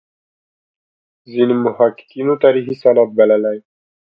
ځینو محققینو تاریخي سند بللی.